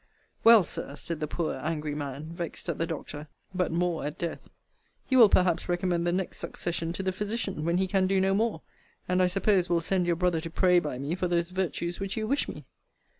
Well, Sir, said the poor angry man, vexed at the doctor, but more at death, you will perhaps recommend the next succession to the physician, when he can do no more; and, I suppose, will send your brother to pray by me for those virtues which you wish me.